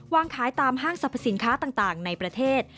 วางขายตามห้างสรรพสินค้าต่างในประเทศ